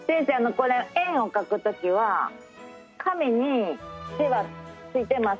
これ円をかく時は紙に手はついてますか？